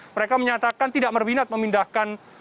mereka menyatakan tidak berminat memindahkan